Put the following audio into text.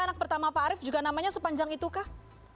anak pertama pak arief juga namanya sepanjang itu kah